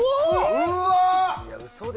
うわ！